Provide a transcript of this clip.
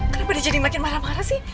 kenapa dia jadi makin marah marah sih